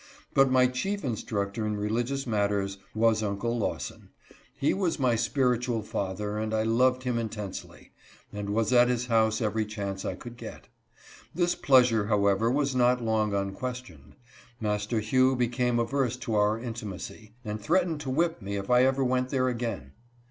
But my chief instructor in religious matters was Uncle Lawson. He was my spiritual father and I loved him intensely, and was at his house every chance I could get. This pleasure, however, was not long unquestioned. Master Hugh became averse to mir__intimacy, and threatened to whip me if I ever went there again.